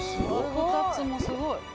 すごい。